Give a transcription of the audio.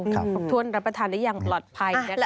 ปรับทรวจรับให้อย่างตลอดภัย